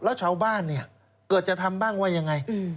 แล้วชาวบ้านเนี่ยเกิดจะทำบ้างว่ายังไง